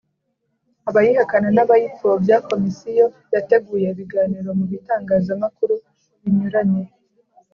abayihakana n abayipfobya Komisiyo yateguye ibiganiro mu bitangazamakuru binyuranye